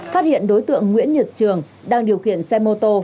phát hiện đối tượng nguyễn nhật trường đang điều khiển xe mô tô